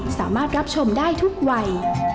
สามารถรับชมได้ทุกวัย